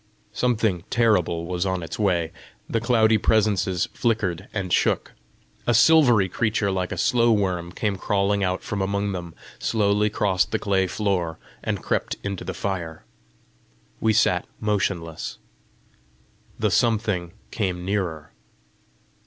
Something terrible was on its way! The cloudy presences flickered and shook. A silvery creature like a slowworm came crawling out from among them, slowly crossed the clay floor, and crept into the fire. We sat motionless. The something came nearer.